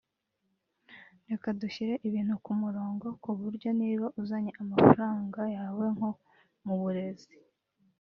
reka dushyire ibintu ku murongo ku buryo niba uzanye amafaranga yawe nko mu burezi